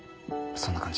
そんな感じ。